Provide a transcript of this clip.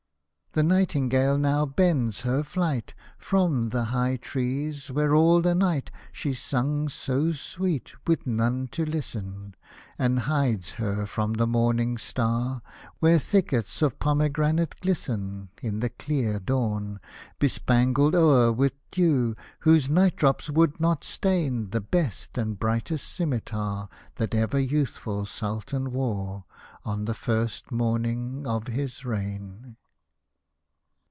The nightingale now bends her flight From the high trees, where all the night She sung so sweet, with none to listen ; And hides her from the morning star Where thickets of pomegranate ghsten In the clear dawn, — bespangled o'er With dew, whose night drops would not stain The best and brightest scimitar That ever youthful Sultan wore On the first morning of his reign.